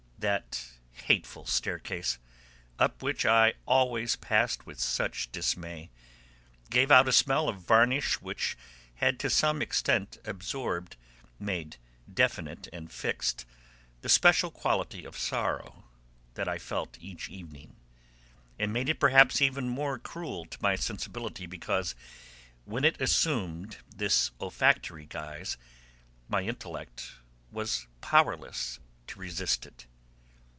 That hateful staircase, up which I always passed with such dismay, gave out a smell of varnish which had to some extent absorbed, made definite and fixed the special quality of sorrow that I felt each evening, and made it perhaps even more cruel to my sensibility because, when it assumed this olfactory guise, my intellect was powerless to resist it.